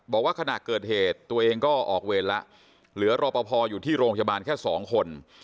บอกว่าขณะเกิดเหตุตัวเองก็ออกเวรแล้วเหลือรอปภอยู่ที่โรงพยาบาลแค่สองคน